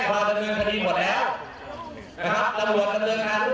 ความเงินคดีแจ้งความเรื่องประกอบ